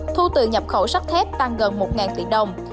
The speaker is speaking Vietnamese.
thu từ nhập khẩu sắt thép tăng gần một tỷ đô la mỹ